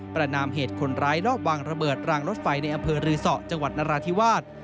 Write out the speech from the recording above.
ประนามเหตุคนร้ายรอบวางระเบิดรางรถไฟในอำเภอรือสอจังหวัดนราธิวาส